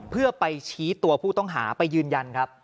เพื่อไปชี้ตัวผู้ต้องหาไปยืนยันครับ